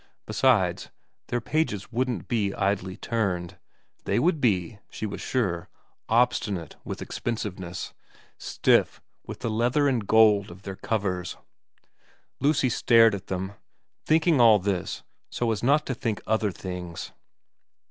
Besides, their pages wouldn't be idly turned ; they would be, she was sure, obstinate with expensiveness, stiff with the leather and gold of their covers. Lucy stared at them, thinking all this so as not to think other things.